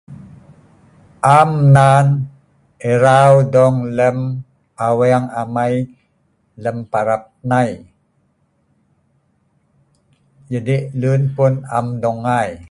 am nan erau dong lem aweng amei lem pa lak nai jadi lun pun am dong ngai